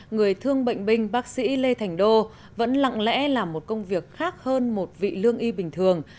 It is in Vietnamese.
người thương bệnh binh bác sĩ lê thành đô vẫn lặng lẽ làm một công việc khác hơn một vị lương y bình thường